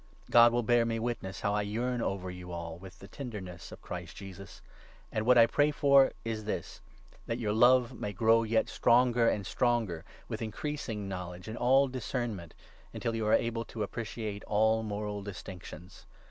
God will bear me witness how I yearn over you all with the 8 tenderness of Christ Jesus. And what I pray for is this — that 9 your love may grow yet stronger and stronger, with increasing knowledge and all discernment, until you are able to appreciate 10 all moral distinctions.